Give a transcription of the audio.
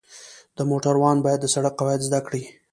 د موټروان باید د سړک قواعد زده کړي.